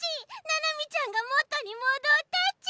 ななみちゃんがもとにもどったち！